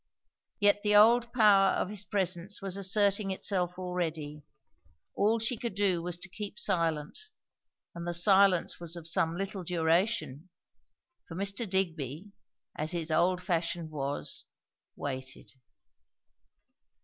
Yet the old power of his presence was asserting itself already. All she could do was to keep silent, and the silence was of some little duration; for Mr. Digby, as his old fashion was, waited.